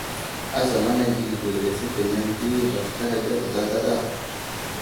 Ázamana geli ge lefetenene di daftar agerge zlazlaɗa.